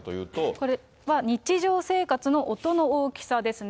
これは日常生活の音の大きさですね。